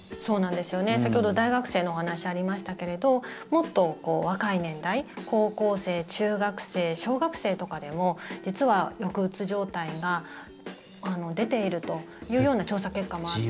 先ほど大学生のお話ありましたけれどもっと若い年代高校生、中学生、小学生とかでも実は、抑うつ状態が出ているというような調査結果もあって。